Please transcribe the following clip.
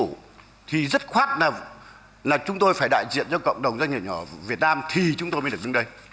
chính phủ thì rất khoát là chúng tôi phải đại diện cho cộng đồng doanh nghiệp nhỏ việt nam thì chúng tôi mới được đứng đây